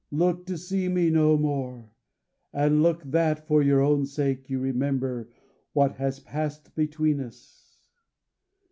Look to see me no more; and look that, for your own sake, you remember what has passed between us!"